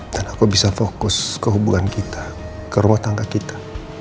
dan aku bisa fokus ke hubungan kita ke rumah tangga kita